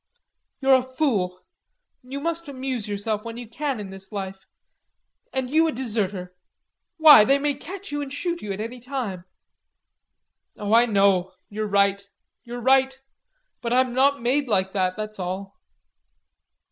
"You're a fool. You must amuse yourself when you can in this life. And you a deserter.... Why, they may catch you and shoot you any time." "Oh, I know, you're right. You're right. But I'm not made like that, that's all."